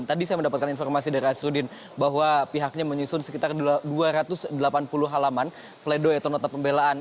tadi saya mendapatkan informasi dari asruddin bahwa pihaknya menyusun sekitar dua ratus delapan puluh halaman pledoi atau nota pembelaan